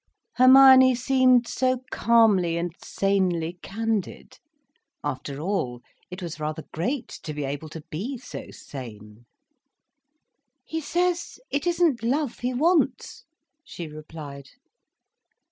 Hermione seemed so calmly and sanely candid. After all, it was rather great to be able to be so sane. "He says it isn't love he wants," she replied.